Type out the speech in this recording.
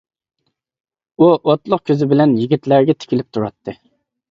ئۇ، ئوتلۇق كۆزى بىلەن يىگىتلەرگە تىكىلىپ تۇراتتى.